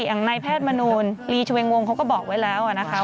อย่างนายแพทย์มนูลลีชเวงวงเขาก็บอกไว้แล้วนะคะ